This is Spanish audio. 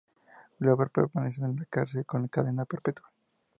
Glover permanece en la cárcel con cadena perpetua.